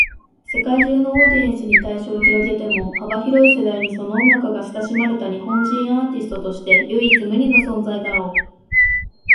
世界中のオーディエンスに対象を広げても、幅広い世代にその音楽が親しまれた日本人アーティストとして唯一無二の存在だろう。